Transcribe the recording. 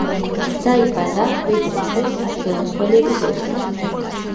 დაიბადა მედრესეს ხელმძღვანელის ოჯახში.